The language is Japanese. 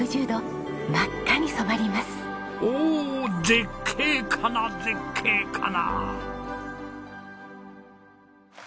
絶景かな絶景かな！